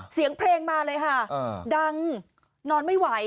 เสียงเพลงมาเลยค่ะดังนอนไม่ไหว